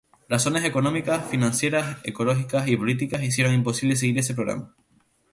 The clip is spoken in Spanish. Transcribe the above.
Razones económicas, financieras, ecológicas y políticas hicieron imposible seguir ese programa.